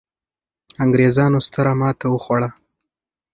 انګرېزانو ستره ماته وخوړه.